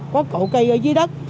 có cậu cây ở dưới đất